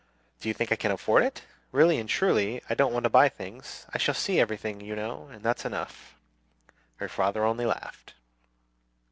Do you think you can afford it? Really and truly, I don't want to buy things. I shall see everything, you know, and that's enough." Her father only laughed.